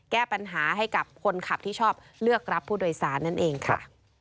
แก้ปัญหาให้กับคนขับที่ชอบเลือกรับผู้โดยสารนั่นเองค่ะ